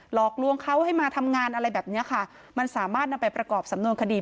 หลอกลวงเขาให้มาทำงานอะไรแบบเนี้ยค่ะมันสามารถนำไปประกอบสำนวนคดี